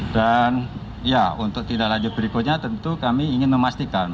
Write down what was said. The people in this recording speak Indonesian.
dan ya untuk tindak lanjut berikutnya tentu kami ingin memastikan